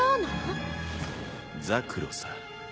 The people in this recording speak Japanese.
ザクロさ。